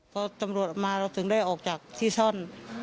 พอตำรวจออกมาเราถึงได้ออกจากที่ซ่อน